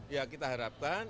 ya kita harapkan